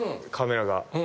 カメラが。